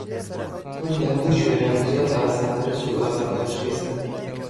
کورد لە هەموو شوێنان، زۆر ئازاپەرست و ئازا خۆشەویستە